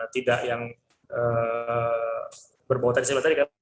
tidak yang berpotensi baterai